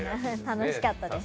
楽しかったです。